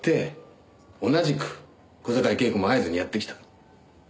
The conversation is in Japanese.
同じく小坂井恵子も会津にやって来た。